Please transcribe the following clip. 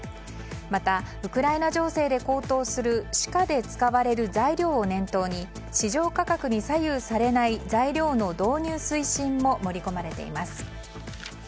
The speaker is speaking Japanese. また、ウクライナ情勢で高騰する歯科で使われる材料を念頭に市場価格に左右されない材料の導入推進も盛り込まれています。